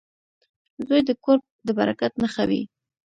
• زوی د کور د برکت نښه وي.